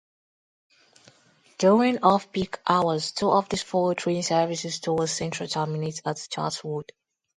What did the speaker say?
During off-peak hours two of these four train services towards Central terminate at Chatswood.